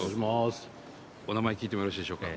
お名前、聞いてもよろしいでしょうか。